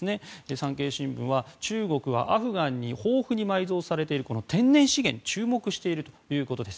産経新聞は中国はアフガンに豊富に埋蔵されている天然資源に注目しているということです。